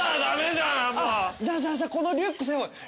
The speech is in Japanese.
じゃあじゃあじゃあこのリュック背負え。